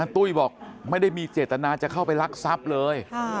ตุ้ยบอกไม่ได้มีเจตนาจะเข้าไปรักทรัพย์เลย